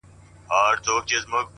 شا و خوا د تورو کاڼو کار و بار دی,